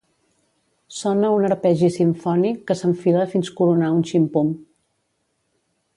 Sona un arpegi simfònic que s'enfila fins coronar un ximpum.